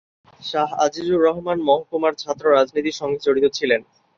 শাহ আজিজুর রহমান মহকুমার ছাত্র রাজনীতির সঙ্গে জড়িত ছিলেন।